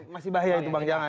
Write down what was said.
masih bahaya itu bang jan